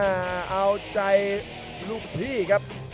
เอาใจลูกพี่ครับ